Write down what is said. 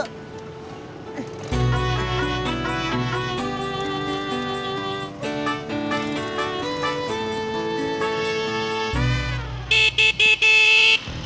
tidik tidik tidik